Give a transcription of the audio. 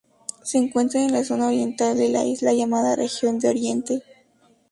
Se encuentra en la zona oriental de la isla, llamada Región de Oriente.